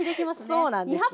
そうなんですよ。